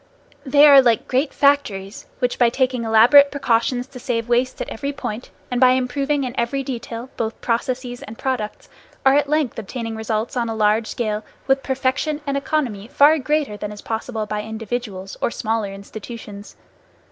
They are like great factories, which by taking elaborate precautions to save waste at every point, and by improving in every detail both processes and products, are at length obtaining results on a large scale with a perfection and economy far greater than is possible by individuals, or smaller institutions.